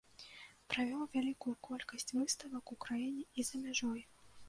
Правёў вялікую колькасць выставак у краіне і за мяжой.